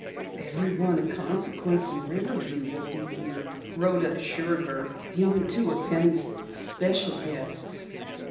"Everyone of consequence in Riverview will be here," Rhoda assured her. "Even two of Penny's special guests."